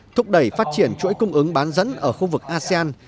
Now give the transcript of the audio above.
thúc đẩy phát triển chuỗi cung ứng bán dẫn ở khu vực asean